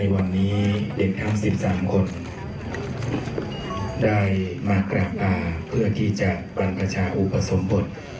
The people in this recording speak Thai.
วันนี้เด็กทั้ง๑๓คนได้มากราบนาเพื่อที่จะบรรพชาอุปสมบท